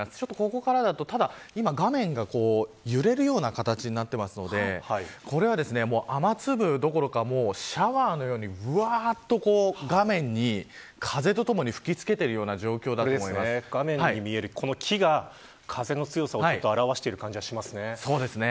ここからだと今、画面が揺れるような形になっているのでこれは雨粒どころかシャワーのようにぶわーっと画面に風とともに吹きつけている状況だと思いま画面に見える木が風の強さを表していますね。